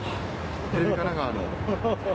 テレビ神奈川の。